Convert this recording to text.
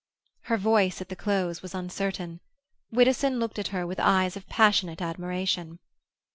Her voice at the close was uncertain. Widdowson looked at her with eyes of passionate admiration.